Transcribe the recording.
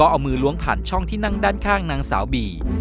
ก็เอามือล้วงผ่านช่องนางสาวบี